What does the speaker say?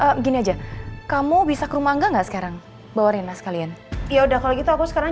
ya begini aja kamu bisa ke rumah enggak sekarang bawain sekalian yaudah kalau gitu aku sekarang